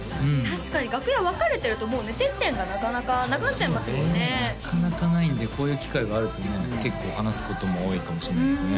確かに楽屋分かれてるともうね接点がなかなかなくなっちゃいますもんねなかなかないんでこういう機会があるとね結構話すことも多いかもしれないですね